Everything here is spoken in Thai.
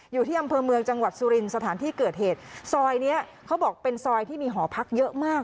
อยู่ที่อำเภอเมืองจังหวัดสุรินทร์สถานที่เกิดเหตุซอยเนี้ยเขาบอกเป็นซอยที่มีหอพักเยอะมาก